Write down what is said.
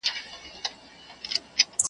په تېره چاړه یې زه پرېکوم غاړه .